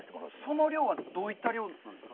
その漁はどういった漁なんですか？